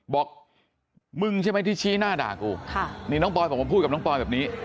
บอกมึงใช่ไหมที่ชี้หน้าด่ากูนี่น้องปอยบอกมาพูดกับน้องปอยแบบนี้